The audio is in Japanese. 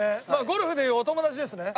ゴルフでいうお友達ですね。